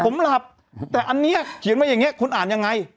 ผมหลับแต่อันนี้เขียนมาอย่างนี้คุณอ่านยังไง